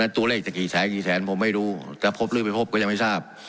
ตัวเลขจะกี่แสนกี่แสนผมไม่รู้จะพบหรือไม่พบก็ยังไม่ทราบ